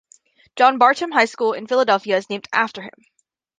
John Bartram High School in Philadelphia is named after him.